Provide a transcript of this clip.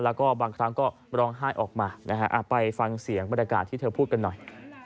แล้วก็บางครั้งก็ร้องไห้ออกมานะฮะไปฟังเสียงบรรยากาศที่เธอพูดกันหน่อย